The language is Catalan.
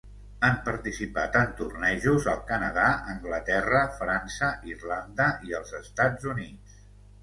Han participat en tornejos al Canadà, Anglaterra, França, Irlanda i els Estats Units.